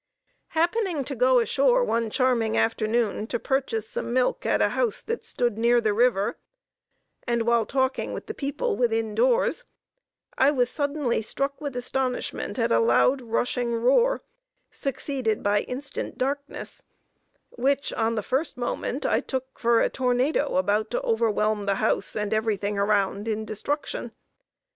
Happening to go ashore one charming afternoon, to purchase some milk at a house that stood near the river, and while talking with the people within doors, I was suddenly struck with astonishment at a loud rushing roar, succeeded by instant darkness, which, on the first moment, I took for a tornado about to overwhelm the house and everything around in destruction.